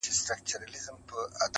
• سپېده داغ ته یې د شپې استازی راسي -